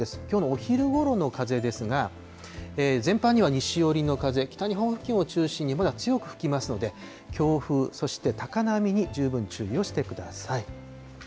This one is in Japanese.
きょうのお昼ごろの風ですが、全般には西寄りの風、北日本付近を中心に、まだ強く吹きますので、強風、そして高波に十分注意をしてください。